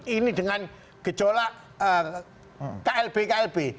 ini dengan gejolak klb klb